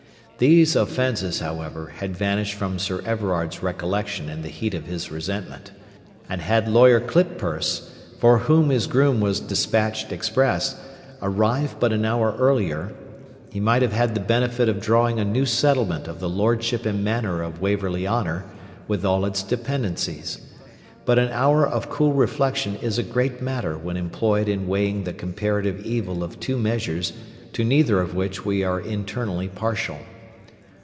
These offences, however, had vanished from Sir Everard's recollection in the heat of his resentment; and had Lawyer Clippurse, for whom his groom was despatched express, arrived but an hour earlier, he might have had the benefit of drawing a new settlement of the lordship and manor of Waverley Honour, with all its dependencies. But an hour of cool reflection is a great matter when employed in weighing the comparative evil of two measures to neither of which we are internally partial.